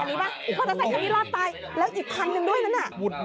มอเตอร์ไซค์อันนี้รอดตายแล้วอีกคันนึงด้วยนั่นอ่ะ